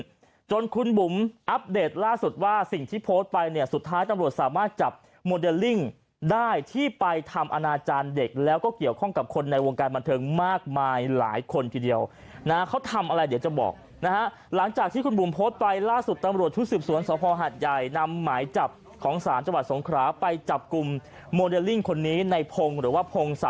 เกิดอะไรขึ้นจนคุณบุ๋มอัพเดทล่าสุดว่าสิ่งที่โพสต์ไปเนี่ยสุดท้ายตำรวจสามารถจับโมเดลลิ่งได้ที่ไปทำอาณาจารย์เด็กแล้วก็เกี่ยวข้องกับคนในวงการบันเทิงมากมายหลายคนทีเดียวนะเขาทำอะไรเดี๋ยวจะบอกนะฮะหลังจากที่คุณบุ๋มโพสต์ไปล่าสุดตำรวจชุดสืบสวนสะพอหัดใหญ่นำหมายจับของสารจังหวั